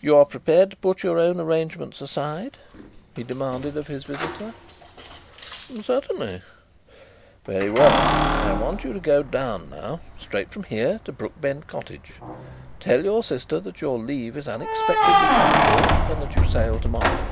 "You are prepared to put your own arrangements aside?" he demanded of his visitor. "Certainly." "Very well. I want you to go down now straight from here to Brookbend Cottage. Tell your sister that your leave is unexpectedly cut short and that you sail to morrow."